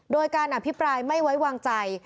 โดยการอภิปรายไม่ไว้วางใจ